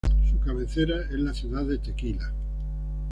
Su cabecera es la ciudad de Tequila.